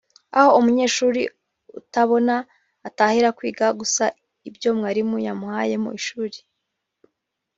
aho umunyeshuli utabona atahira kwiga gusa ibyo mwalimu yamuhaye mu ishuli